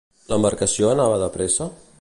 L'embarcació anava de pressa?